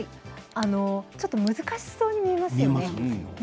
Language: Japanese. ちょっと難しそうに見えますよね。